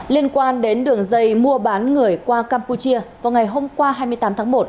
liên quan đến đường dây mua bán người qua campuchia vào ngày hôm qua hai mươi tám tháng một